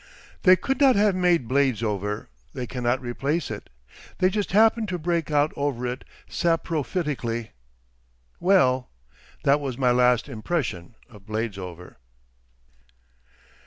They could not have made Bladesover they cannot replace it; they just happen to break out over it—saprophytically. Well—that was my last impression of Bladesover.